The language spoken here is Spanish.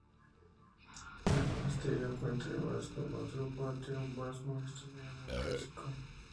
El monasterio cuenta además con otro patio más modesto, ya neoclásico.